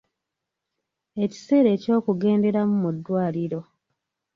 Ekiseera eky’okugenderamu mu ddwaliro.